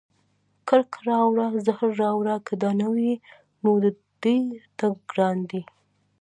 کرکه راوړه زهر راوړه که دا نه وي، نو د دې تګ ګران دی